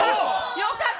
よかった。